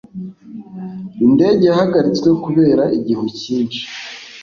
indege yahagaritswe kubera igihu cyinshi